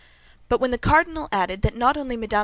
But when the cardinal added that not only Mme.